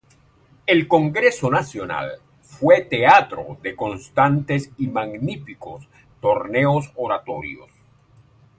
El Congreso Nacional fue teatro de constantes y magníficos torneos oratorios.